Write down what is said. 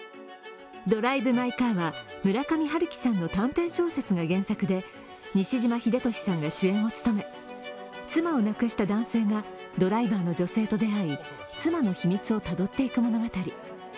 「ドライブ・マイ・カー」は、村上春樹さんの短編小説が原作で西島秀俊さんが主演を務め妻を亡くした男性がドライバーの女性と出会い、妻の秘密をたどっていく物語。